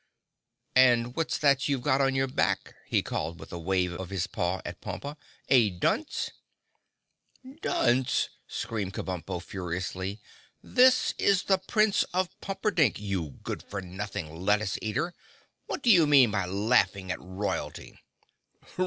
"And what's that you've got on your back?" he called, with a wave of his paw at Pompa. "A dunce?" "Dunce!" screamed Kabumpo furiously. "This is the Prince of Pumperdink, you good for nothing lettuce eater! What do you mean by laughing at royalty?"